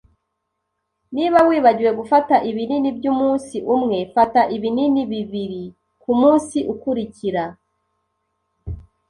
Niba wibagiwe gufata ibinini byumunsi umwe, fata ibinini bibiri kumunsi ukurikira.